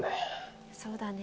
「そうだね」。